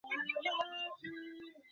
না, ইচ্ছাশক্তিও স্বাধীন নয়।